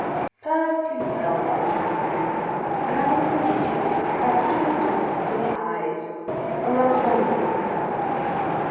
"Perfectly well, my good friend; and I will prove it to you by putting the dots to the i, or rather by naming the persons.